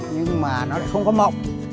nhưng mà nó lại không có mọc